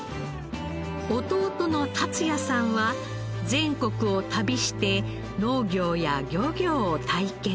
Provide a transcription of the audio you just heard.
弟の竜也さんは全国を旅して農業や漁業を体験。